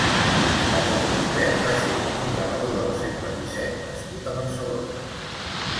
Ramon Olivet va ser un gravador del segle disset nascut a Barcelona.